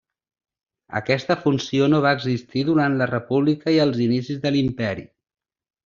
Aquesta funció no va existir durant la República i els inicis de l'Imperi.